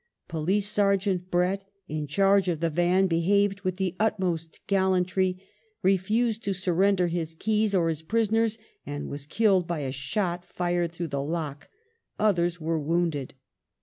Police Sergeant Brett in charge of the van behaved with the utmost gallantry, refused to surrender his keys or his prisoners and was killed by a shot fired through the lock ; others were wounded.